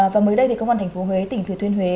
và mới đây thì công an tp huế tỉnh thừa thuyên huế